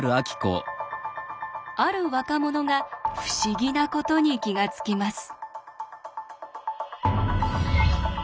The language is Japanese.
ある若者が不思議なことに気が付きます。